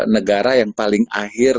negara yang paling akhir